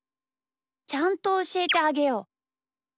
ちゃんとおしえてあげよう。